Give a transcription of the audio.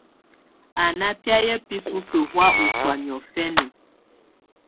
Á ná bɛ̀áyá bisusǝ́ hɔ̀á ɔ́ sɔ̀á niɔ̀fɛna.